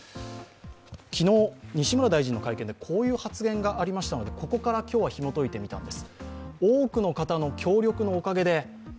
昨日、西村大臣の会見でこういう発言がありましたのでここから今日はひもといてみたいんです。